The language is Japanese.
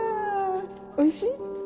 おいしい？